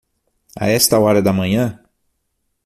A esta hora da manhã?